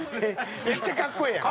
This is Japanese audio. めっちゃかっこええやん。